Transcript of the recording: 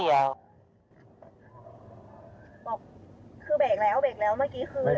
คือแบกแล้วแบกแล้วเมื่อกี้คือ